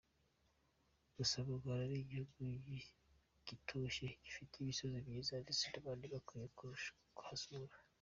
Gusa mu Rwanda ni igihugu gitoshye gifite imisozi myiza ndetse n’abandi bakwiye kuhasura.